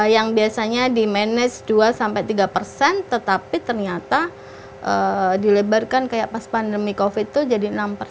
yang biasanya di manage dua sampai tiga persen tetapi ternyata dilebarkan kayak pas pandemi covid itu jadi enam persen